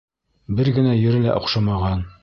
Бер генә ере лә оҡшамаған.